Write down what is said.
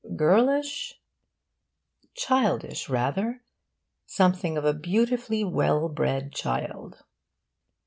girlish? childish, rather; something of a beautifully well bred child.